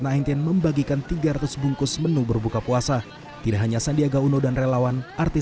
sembilan belas membagikan tiga ratus bungkus menu berbuka puasa tidak hanya sandiaga uno dan relawan artis